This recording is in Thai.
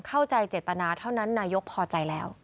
เข้าใจเจตนาเท่านั้นนายกพอใจแล้ว